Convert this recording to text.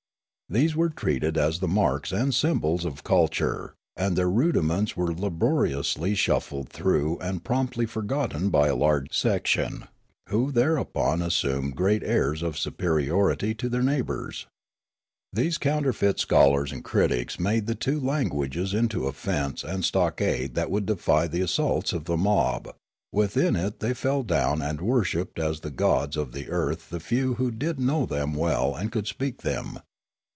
These were treated as the marks and symbols of culture ; and their rudiments were laboriously shuffled through and promptly forgotten by a large section, who thereupon assumed great airs of superiority' to their neighbours. These counterfeit scholars and critics made the two languages into a fence and stockade that would defy the assaults of the mob ; within it they fell down and worshipped as the gods of the earth the few who did know them well and could speak them.